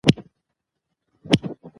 بانکونه د کانونو په استخراج کې پانګونه کوي.